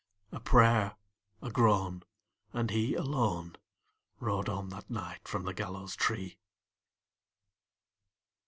A prayer, a groan, and he alone Rode on that night from the gallows tree.